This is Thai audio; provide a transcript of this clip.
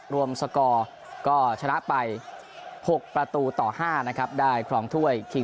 รวมก็ชนะไปหกประตูต่อห้านะครับได้คลองถ้วย